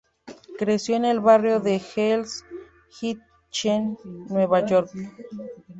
Creció en el barrio de Hell's Kitchen, Nueva York.